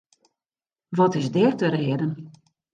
Wat is der te rêden?